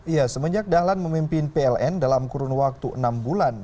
ya semenjak dahlan memimpin pln dalam kurun waktu enam bulan